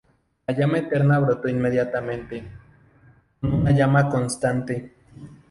La llama eterna brotó inmediatamente, con una llama constante.